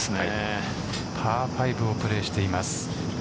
パー５をプレーしています。